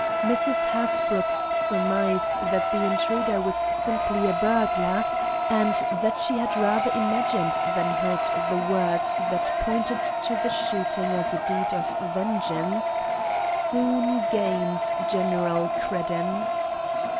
Mrs. Hasbrouck's surmise that the intruder was simply a burglar, and that she had rather imagined than heard the words that pointed to the shooting as a deed of vengeance, soon gained general credence.